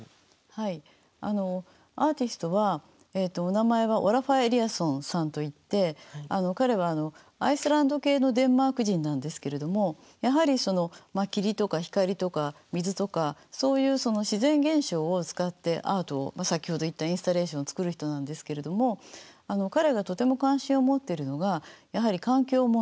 はいアーティストはお名前はオラファー・エリアソンさんといって彼はアイスランド系のデンマーク人なんですけれどもやはりその霧とか光とか水とかそういう自然現象を使ってアートを先ほど言ったインスタレーションを作る人なんですけれども彼がとても関心を持っているのがやはり環境問題サステナビリティ。